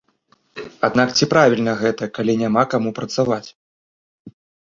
Аднак ці правільна гэта, калі няма каму працаваць?!